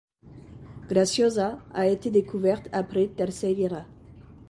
Graciosa a été découverte après Terceira.